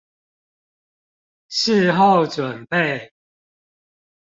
事後準備